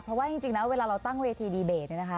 เพราะว่าจริงนะเวลาเราตั้งเวทีดีเบตนะคะ